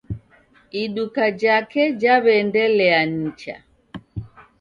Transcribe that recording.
Iduka jake jaweendelea nicha